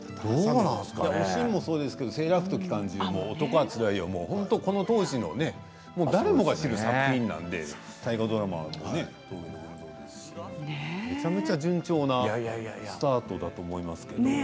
「おしん」もそうですけれども「セーラー服と機関銃」も「男はつらいよ」も誰もが知る作品なのでめちゃめちゃ順調なスタートだと思いますけれど。